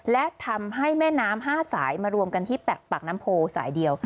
และทำให้แม่น้ำ๕สายมารวมกันที่แปะปากน้ำโพสายเดียว